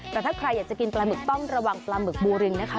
แต่ถ้าใครอยากจะกินปลาหมึกต้องระวังปลาหมึกบูริงนะคะ